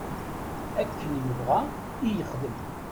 Akken yebɣa i yexdem.